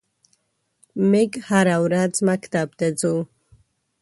میږ هره ورځ مکتب ته څو.